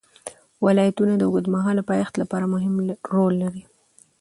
ولایتونه د اوږدمهاله پایښت لپاره مهم رول لري.